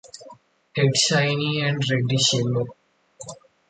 Head shiny and reddish yellow.